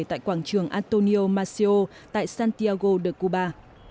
tại quảng trường antonio maceo tại santiago de cuba